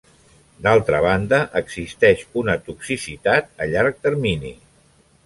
D'altra banda, existeix una toxicitat a llarg termini.